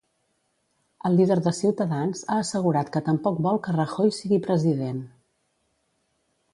El líder de Ciutadans ha assegurat que tampoc vol que Rajoy sigui president.